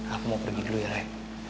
aku mau pergi dulu ya rai